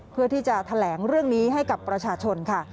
เพื่อที่จะแถลงเรื่องนี้ให้กับประชาชนค่ะ